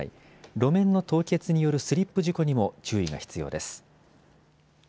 路面の凍結によるスリップ事故にも注意が必要です。